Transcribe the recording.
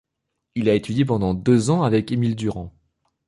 Il a étudié pendant deux ans avec Émile Durand.